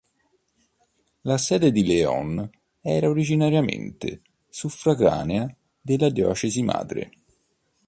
La sede di León era originariamente suffraganea della diocesi madre.